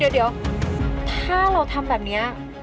เดี๋ยวถ้าเราทำแบบนี้